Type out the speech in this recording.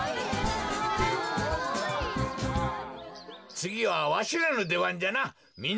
つぎはわしらのでばんじゃな。